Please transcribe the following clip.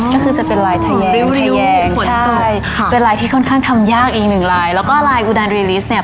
ก็คือจะเป็นลายใช่ค่ะเป็นลายที่ค่อนข้างทำยากอีกหนึ่งลายแล้วก็ลายเนี้ย